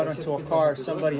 dan kami sampai di mobil